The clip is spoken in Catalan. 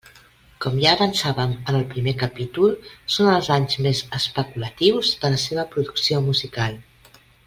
Com ja avançàvem en el primer capítol, són els anys més «especulatius» de la seva producció musical.